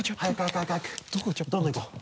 どんどんいこう！